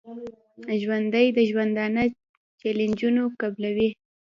ژوندي د ژوندانه چیلنجونه قبلوي